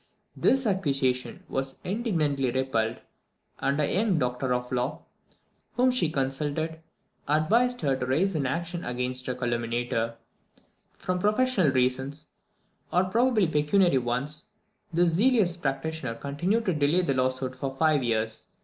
This accusation was indignantly repelled, and a young doctor of the law, whom she consulted, advised her to raise an action against her calumniator. From professional reasons, or probably pecuniary ones, this zealous practitioner continued to delay the lawsuit for five years.